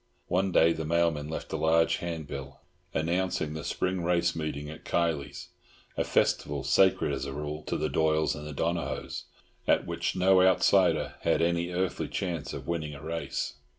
One day the mailman left a large handbill, anouncing the Spring race meeting at Kiley's, a festival sacred, as a rule, to the Doyles and the Donohoes, at which no outsider had any earthly chance of winning a race.